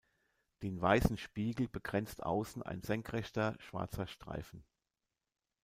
Den weißen Spiegel begrenzt außen ein senkrechter, schwarzer Streifen.